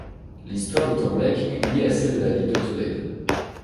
L'histoire de Tembleque est liée à celle de la ville de Tolède.